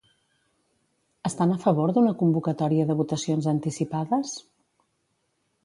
Estan a favor d'una convocatòria de votacions anticipades?